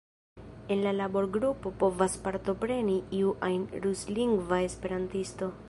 En la laborgrupo povas partopreni iu ajn ruslingva esperantisto.